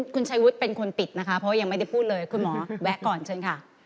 คุณหมอแวะก่อนเชิญค่ะ